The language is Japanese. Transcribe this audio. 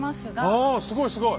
あすごいすごい。